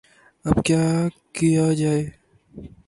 اب کیا کیا جائے؟